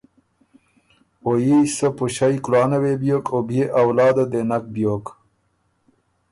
او يي سۀ پُݭئ کلانه وې بیوک او بيې اولاده دې نک بیوک۔